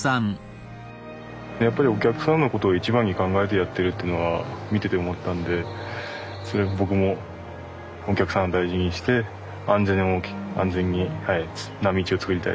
やっぱりお客さんのことを一番に考えてやってるっていうのは見てて思ったんでそれで僕もお客さんを大事にして安全な道を作りたいですね。